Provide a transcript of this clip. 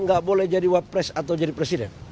nggak boleh jadi wapres atau jadi presiden